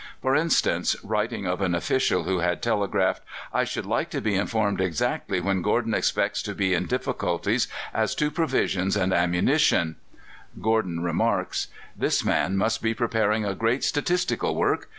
For instance, writing of an official who had telegraphed, "I should like to be informed exactly when Gordon expects to be in difficulties as to provisions and ammunition," Gordon remarks: "This man must be preparing a great statistical work.